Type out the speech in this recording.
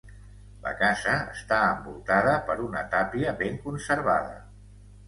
La casa està envoltada per una tàpia ben conservada.